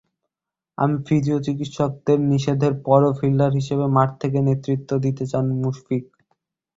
তবে ফিজিও-চিকিৎসকদের নিষেধের পরও ফিল্ডার হিসেবে মাঠে থেকে নেতৃত্ব দিতে চান মুশফিক।